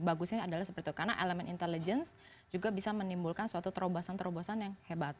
bagusnya adalah seperti itu karena elemen intelligence juga bisa menimbulkan suatu terobosan terobosan yang hebat